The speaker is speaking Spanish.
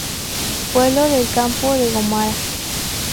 Pueblo del Campo de Gómara.